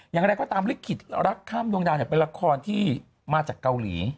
อย่างไรก็ตามลิขิตรักข้ามดวงดาวเป็นละครที่มาจากเกาหลี